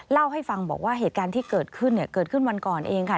เล่าให้ฟังบอกว่าเหตุการณ์ที่เกิดขึ้นเนี่ยเกิดขึ้นวันก่อนเองค่ะ